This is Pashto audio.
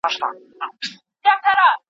که علمي مرکزونه وي نو تیاره نه خپریږي.